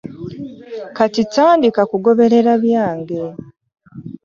Kati tandika kugoberera byange.